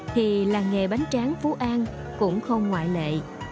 thì làng nghề bánh tráng phú an cũng không ngoại lệ